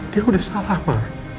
dia udah salah ma